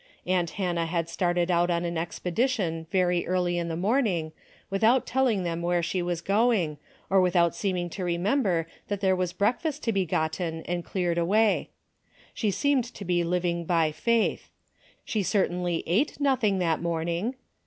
Aunt Hannah had started out on an expedition very early in the morning without telling them where she was going, or without seeming to remember that there was breakfast to be got ten and cleared away. She seemed to be liv ing by faith. She certainly ate nothing that morning.